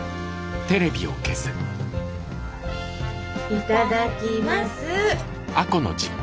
いただきます。